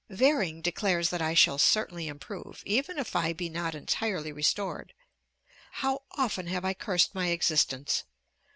Vering declares that I shall certainly improve, even if I be not entirely restored. How often have I cursed my existence!